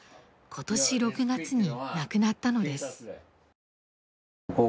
ことし６月に亡くなったのです。